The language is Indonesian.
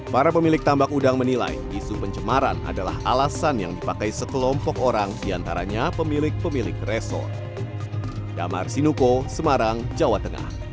para pemilik tambak udang menilai isu pencemaran adalah alasan yang dipakai sekelompok orang diantaranya pemilik pemilik restoran